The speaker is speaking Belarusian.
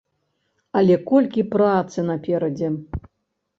Але колькі працы наперадзе?